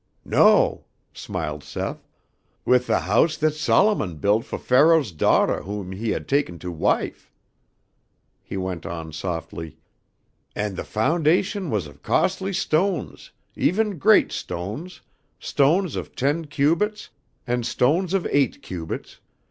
"No," smiled Seth, "with the house that Solomon built fo' Pharaoh's daughter whom he had taken to wife." He went on softly: "And the foundation was of cos'ly stones, even great stones, stones of ten cubits, and stones of eight cubits.